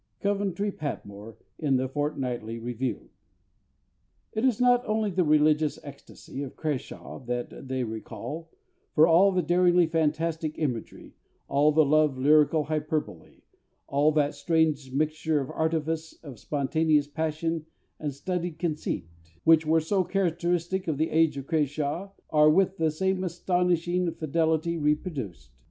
COVENTRY PATMORE, in The Fortnightly Review. It is not only the religious ecstasy of CRASHAW that they recall; for all the daringly fantastic imagery, all the love lyrical hyperbole, all that strange mixture and artifice, of spontaneous passion and studied conceit, which were so characteristic of the age of CRASHAW, are with the same astonishing fidelity reproduced.